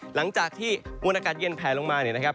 หลังจากที่มวลอากาศเย็นแผลลงมาเนี่ยนะครับ